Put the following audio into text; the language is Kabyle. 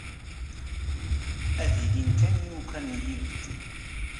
Ad ilin kan yimukan n yibeddi.